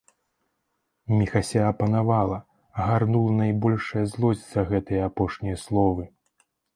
Міхася апанавала, агарнула найбольшая злосць за гэтыя апошнія словы.